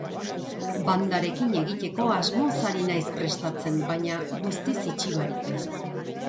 Bandarekin egiteko asmoz ari naiz prestatzen, baina guztiz itxi barik.